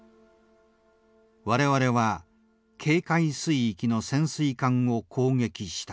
「我々は警戒水域の潜水艦を攻撃した」。